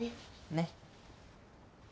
ねっ？